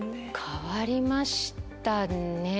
変わりましたね。